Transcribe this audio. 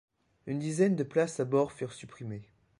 Une dizaine de places à bord furent supprimées.